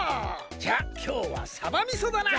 じゃあきょうはさばみそだな！